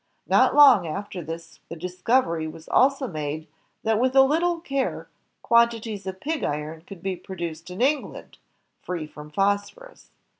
Not long after this the discovery was also made that with a little care quan tities of pig iron could be produced in England, free from phos^onis.